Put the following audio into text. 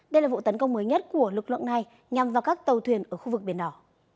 đây là vụ tấn công mới nhất của lực lượng này nhằm vào các tàu thuyền ở khu vực biển đỏ